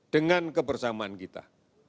dengan kebersamaan kita